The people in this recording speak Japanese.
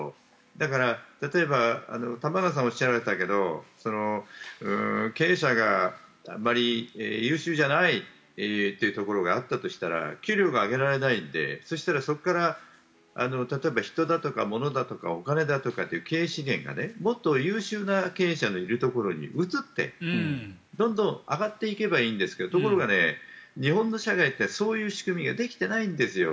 だから、例えば玉川さんがおっしゃられたけど経営者があんまり優秀じゃないというところがあったとしたら給料が上げられないのでそしたら、そこから人だとか、ものだとかお金だとかという経営資源がもっと優秀な経営者がいるところに移ってどんどん上がっていけばいいんですけどところが、日本の社会ってそういう仕組みができてないんですよ。